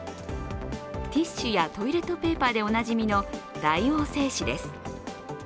ティッシュやトイレットペーパーでおなじみの大王製紙です。